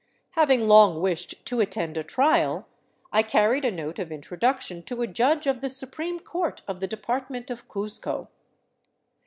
Having long wished to attend a trial, I carried a note of introduction to a judge of the supreme court of the department of Cuzco.